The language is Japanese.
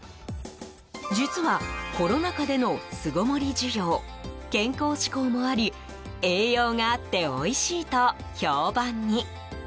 実は、コロナ禍での巣ごもり需要、健康志向もあり栄養があっておいしいと評判に。